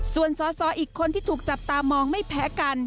ส่วนสอสออีกคนที่ถูกจับตามองไม่แพ้กัน